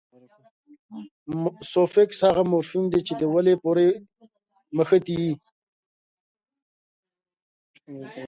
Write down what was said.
سوفیکس هغه مورفیم دئ، چي د ولي پوري مښتي يي.